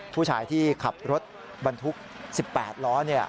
ผู้ชายที่ขับรถบรรทุก๑๘ล้อ